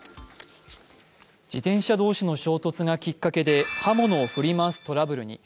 自転車同士の衝突がきっかけで刃物を振り回すトラブルに。